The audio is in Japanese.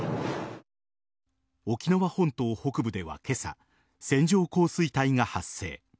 沖縄本島北部では今朝、線状降水帯が発生。